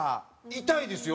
痛いですよ。